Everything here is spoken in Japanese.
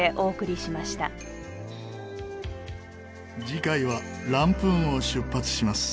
次回はランプーンを出発します。